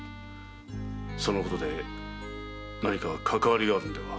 そのことで何かかかわりがあるのでは？